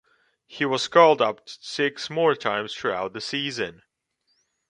He was called up six more times throughout the season.